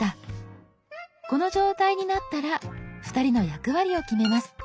この状態になったら２人の役割を決めます。